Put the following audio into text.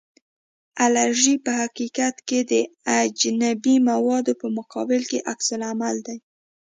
الرژي په حقیقت کې د اجنبي موادو په مقابل کې عکس العمل دی.